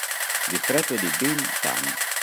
Distretto di Binh Tan